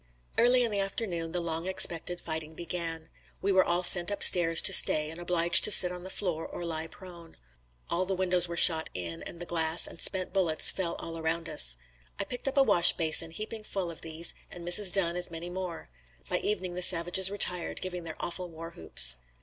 Early in the afternoon the long expected fighting began. We were all sent up stairs to stay and obliged to sit on the floor or lie prone. All the windows were shot in and the glass and spent bullets fell all around us. I picked up a wash basin heaping full of these and Mrs. Dunn as many more. By evening the savages retired, giving their awful war whoops.